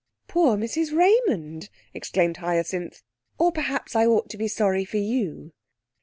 'Poor Mrs Raymond!' exclaimed Hyacinth. 'Or perhaps I ought to be sorry for you?'